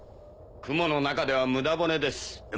雲の中ではムダ骨です。